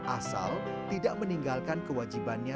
asal tidak meninggalkan kewajibannya